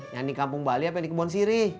yang di kampung bali apa yang di kebon sirih